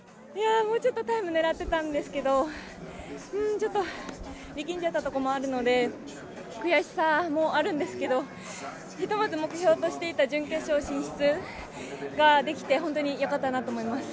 もうちょっとタイム狙ってたんですけどちょっと力んでいたところもあるので悔しさもあるんですけどひとまず目標としていた準決勝進出ができて本当に良かったなと思います。